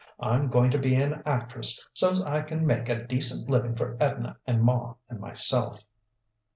I'm going to be an actress, so's I can make a decent living for Edna and ma and myself."